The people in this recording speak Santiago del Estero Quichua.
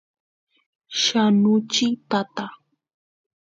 yanuchiy tata